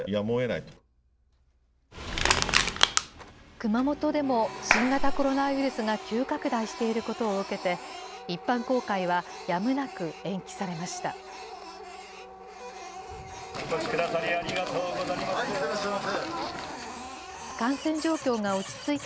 熊本でも新型コロナウイルスが急拡大していることを受けて、一般公開はやむなく延期されました。